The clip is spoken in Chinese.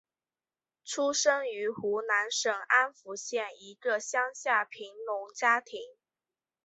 出生于湖南省安福县一个乡下贫农家庭。